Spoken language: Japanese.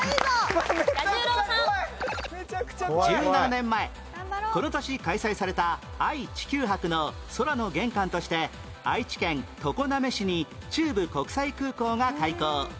１７年前この年開催された愛・地球博の空の玄関として愛知県常滑市に中部国際空港が開港